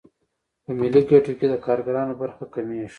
په ملي ګټو کې د کارګرانو برخه کمېږي